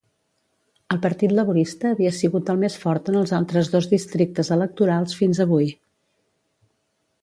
El Partit Laborista havia sigut el més fort en els altres dos districtes electorals fins avui.